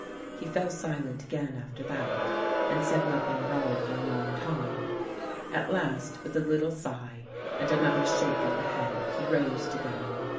He fell silent again after that and said noth ing at all for a long time. At last, with a little sigh, and another shake of the head, he rose to go.